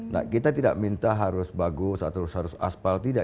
nah kita tidak minta harus bagus harus aspal tidak